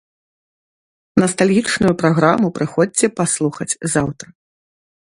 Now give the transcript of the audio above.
Настальгічную праграму прыходзьце паслухаць заўтра.